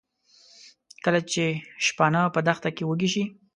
کله چې شپانه په دښته کې وږي شي.